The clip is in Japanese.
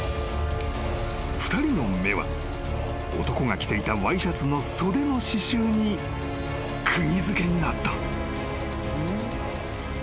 ［２人の目は男が着ていたワイシャツの袖の刺しゅうに釘付けになった］